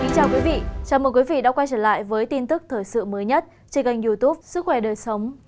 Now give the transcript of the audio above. chào mừng quý vị đã quay trở lại với tin tức thời sự mới nhất trên kênh youtube sức khỏe đời sống